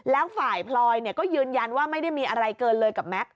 แล้วฝ่ายพลอยก็ยืนยันว่าไม่ได้มีอะไรเกินเลยกับแม็กซ